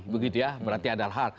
berarti ada hal